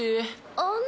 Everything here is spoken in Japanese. あの。